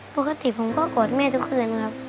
ปกติผมก็กอดแม่ทุกคืนครับ